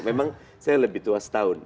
memang saya lebih tua setahun